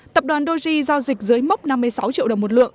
tập đoàn doji giao dịch dưới mốc năm mươi sáu triệu đồng một lượng